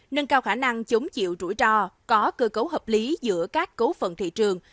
nâng cao khả năng chống chịu rủi ro có cơ cấu hợp lý giữa các cấu phận thị trường